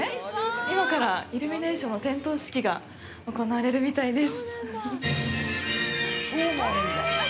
今からイルミネーションの点灯式が行われるみたいです。